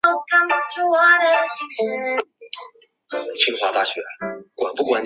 番歆之弟番苗打算复仇。